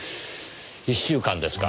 １週間ですか。